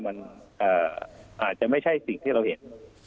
มันอาจจะไม่ใช่สิ่งที่เราเห็น